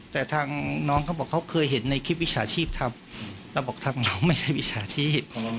แต่ทางน้องเขาบอกเขาเคยเห็นในคลิปวิชาชีพทำแล้วบอกทางน้องไม่ใช่วิชาชีพ